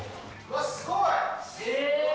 すごい。